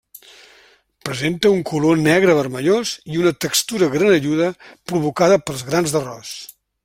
Presenta un color negre vermellós i una textura granelluda provocada pels grans d’arròs.